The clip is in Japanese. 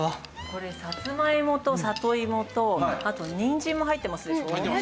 これさつまいもと里芋とあとにんじんも入ってますでしょ。